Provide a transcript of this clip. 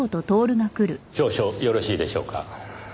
少々よろしいでしょうか？